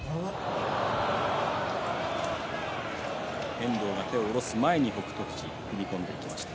遠藤が手を下ろす前に北勝富士が出ていきました。